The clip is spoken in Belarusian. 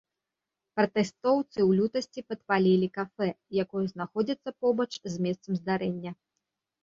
Пратэстоўцы ў лютасці падпалілі кафэ, якое знаходзіцца побач з месцам здарэння.